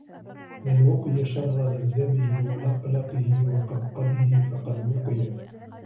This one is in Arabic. مَنْ وُقِيَ شَرَّ ذَبْذَبِهِ وَلَقْلَقِهِ وَقَبْقَبِهِ فَقَدْ وُقِيَ